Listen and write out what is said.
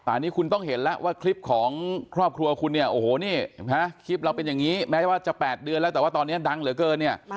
อันนี้คุณต้องเห็นแล้วว่าคลิปของครอบครัวคุณเนี่ยโอ้โหนี่คลิปเราเป็นอย่างนี้แม้ว่าจะ๘เดือนแล้วแต่ว่าตอนนี้ดังเหลือเกินเนี่ย